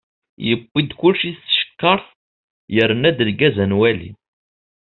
Yewwi-d kulci s tcekkart, yerna-d lgaz ad nwali.